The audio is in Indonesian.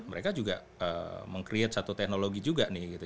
mereka juga meng create satu teknologi juga nih gitu